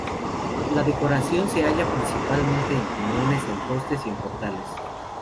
La decoración se halla principalmente en piñones, en postes y en portales.